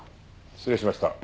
失礼しました。